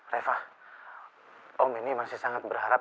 reva om ini masih sangat berharap